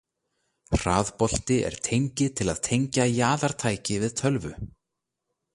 Hraðbolti er tengi til að tengja jaðartæki við tölvu.